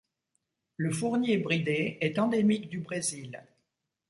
Le Fournier bridé est endémique du Brésil.